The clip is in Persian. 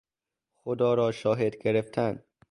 خدا را شاهد گرفتن